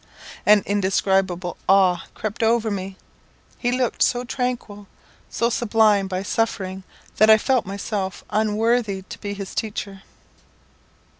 An indescribable awe crept over me. He looked so tranquil, so sublimed by suffering, that I felt my self unworthy to be his teacher.